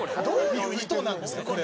どういう意図なんですか？